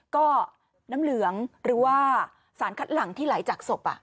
ก็น้ำเหลืองหรือว่าสารคัดหลังที่ไหลจากศพ